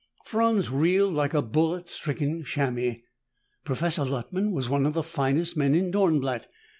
Franz reeled like a bullet stricken chamois. Professor Luttman was one of the finest men in Dornblatt.